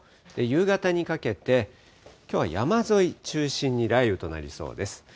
夕方にかけて、きょうは山沿い中心に雷雨となりそうです。